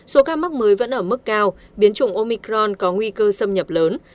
số ca mắc mới vẫn ở mức cao biến chủng omicron có nguy cơ xâm nhập lớn